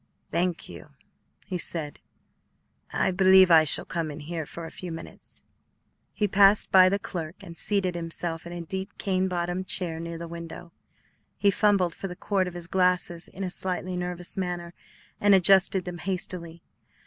"Thank you," he said; "I believe I shall come in here for a few minutes." He passed by the clerk and seated himself in a deep, cane bottomed chair near the window. He fumbled for the cord of his glasses in a slightly nervous manner, and adjusted them hastily.